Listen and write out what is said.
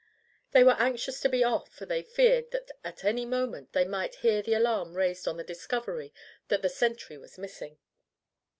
They were anxious to be off, for they feared that at any moment they might hear the alarm raised on the discovery that the sentry was missing.